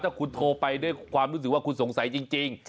ถ้าคุณโทรไปด้วยความรู้สึกว่าคุณสงสัยจริง